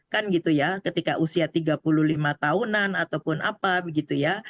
kan gitu ya ketika usia tiga puluh lima tahunan ataupun apa begitu ya